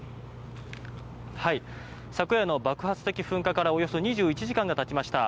昨夜の爆発的噴火からおよそ２１時間が経ちました。